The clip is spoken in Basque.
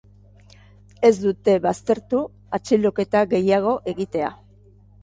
Ez dute baztertu atxiloketa gehiago egitea.